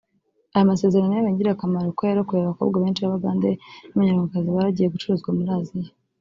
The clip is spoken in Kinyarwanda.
Aya masezerano yabaye ingirakamaro kuko yarokoye abakobwa benshi b’Abagande n’Abanyarwandakazi bari bagiye gucuruzwa muri Aziya